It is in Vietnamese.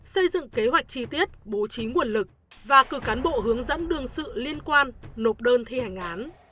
xây dựng kế hoạch chi tiết bố trí nguồn lực và cử cán bộ hướng dẫn đương sự liên quan nộp đơn thi hành án